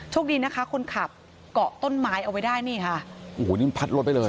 คดีนะคะคนขับเกาะต้นไม้เอาไว้ได้นี่ค่ะโอ้โหนี่มันพัดรถไปเลย